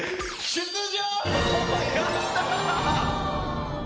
出場！